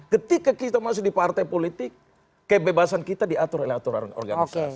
ketika kita masuk di partai politik kebebasan kita diatur oleh aturan organisasi